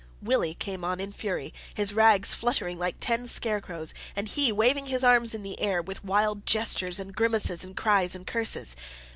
Willie came on in fury, his rags fluttering like ten scarecrows, and he waving his arms in the air, with wild gestures and grimaces and cries and curses.